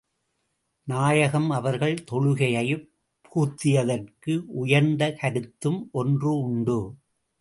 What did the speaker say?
நாயகம் அவர்கள் தொழுகையைப் புகுத்தியதற்கு உயர்ந்த கருத்தும் ஒன்று உண்டு.